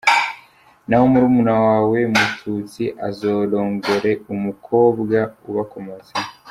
Naho murumuna wawe Mututsi azarongore umukobwa ubakomotseho”.